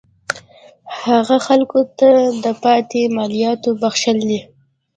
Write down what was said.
هغه خلکو ته د پاتې مالیاتو بخښل دي.